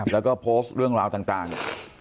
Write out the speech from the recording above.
แล้วก็โพสต์เรื่องราวต่าง